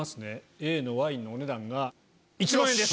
Ａのワインのお値段が１万円です。